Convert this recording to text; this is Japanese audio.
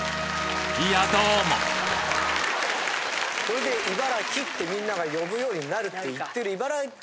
いやどうもこれで「いばらき」ってみんなが呼ぶようになるって言ってる。